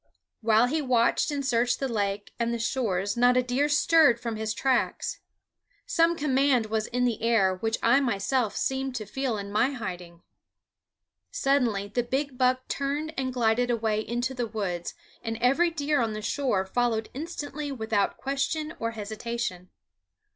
While he watched and searched the lake and the shores not a deer stirred from his tracks. Some command was in the air which I myself seemed to feel in my hiding. Suddenly the big buck turned and glided away into the woods, and every deer on the shore followed instantly without question or hesitation.